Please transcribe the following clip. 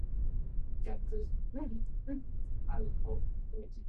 They also sued him, but that apparently was unsuccessful because the dam still stands.